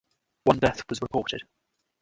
One death was reported.